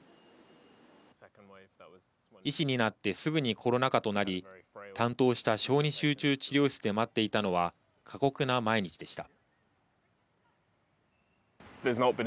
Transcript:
医師になってすぐにコロナ禍となり、担当した小児集中治療室で待っていたのは過酷な毎日でした。